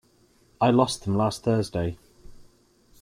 I lost them last Thursday.